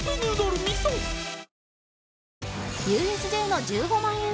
ＵＳＪ の１５万円